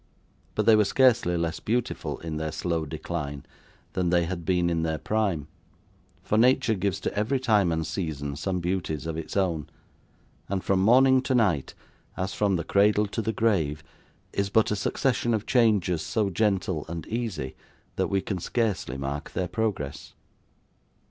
But they were scarcely less beautiful in their slow decline, than they had been in their prime; for nature gives to every time and season some beauties of its own; and from morning to night, as from the cradle to the grave, is but a succession of changes so gentle and easy, that we can scarcely mark their progress.